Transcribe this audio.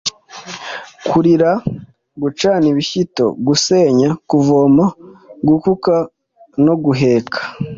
kurarira, gucana ibishyito, gusenya, kuvoma, gukuka no guheka.